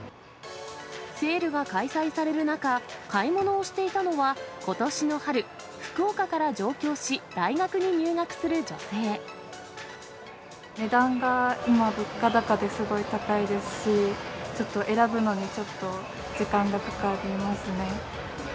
セールが開催される中、買い物をしていたのは、ことしの春、福岡から上京し、大学に入学値段が今、物価高ですごい高いですし、ちょっと選ぶのにちょっと時間がかかりますね。